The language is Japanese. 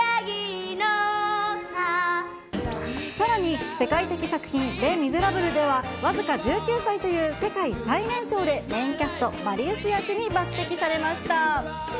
さらに、世界的作品、レ・ミゼラブルでは、僅か１９歳という世界最年少でメインキャスト、マリウス役に抜てきされました。